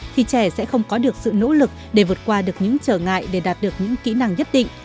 thì trẻ sẽ không có được sự nỗ lực để vượt qua được những trở ngại để đạt được những kỹ năng nhất định